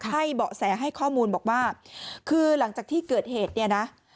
เบาะแสให้ข้อมูลบอกว่าคือหลังจากที่เกิดเหตุเนี่ยนะ